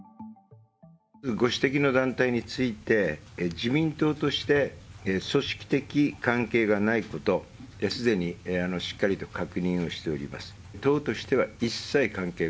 ご指摘の団体について、自民党として、組織的関係がないこと、すでにしっかりと確認をしております。